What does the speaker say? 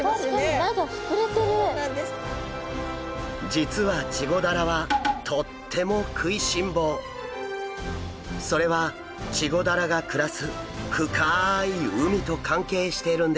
実はチゴダラはとってもそれはチゴダラが暮らす深い海と関係しているんです。